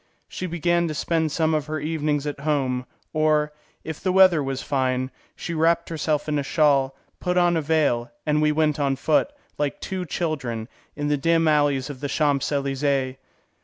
She began to spend some of her evenings at home, or, if the weather was fine, she wrapped herself in a shawl, put on a veil, and we went on foot, like two children, in the dim alleys of the Champs Elysées.